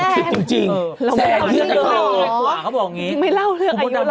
อ๋อ๖๐ปีจริงแสนเรื่อยกว่าเขาบอกอย่างงี้คุณพ่อดำ๖๐ปีอาจจะเห็นภาพง่ายกว่า